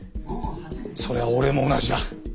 それは俺も同じだ。